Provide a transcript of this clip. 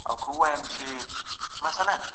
ذهني فشار د نوښت مخه نیسي.